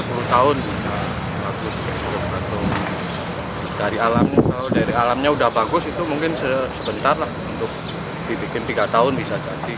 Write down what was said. untuk dibikin tiga tahun bisa jadi